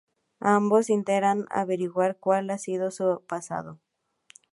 Ambos intentan averiguar cual ha sido su pasado.